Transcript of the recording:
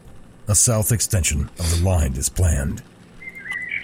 A south extension of the line is planned.